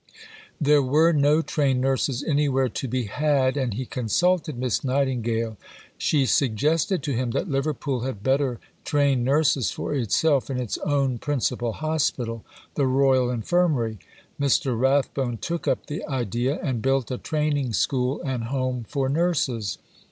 There were no trained nurses anywhere to be had, and he consulted Miss Nightingale. She suggested to him that Liverpool had better train nurses for itself in its own principal hospital, the Royal Infirmary. Mr. Rathbone took up the idea, and built a Training School and Home for Nurses.